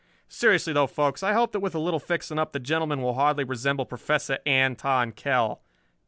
"Seriously though, folks, I hope that with a little fixing up the gentleman will hardly resemble Professor Anton Kell.